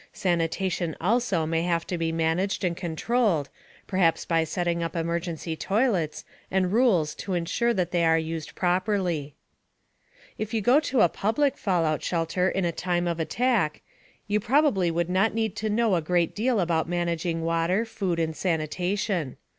Sanitation also may have to be managed and controlled, perhaps by setting up emergency toilets and rules to insure that they are used properly. If you go to a public fallout shelter in a time of attack, you probably would not need to know a great deal about managing water, food, and sanitation.